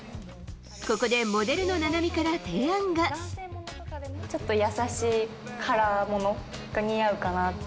ここでモデルの菜波から提案ちょっと優しいカラーものが似合うかなって。